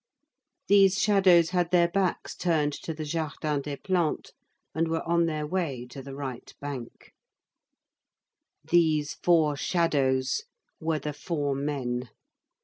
These shadows had their backs turned to the Jardin des Plantes and were on their way to the right bank. These four shadows were the four men.